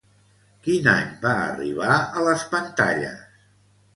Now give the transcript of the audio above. Quin any va arribar a les pantalles?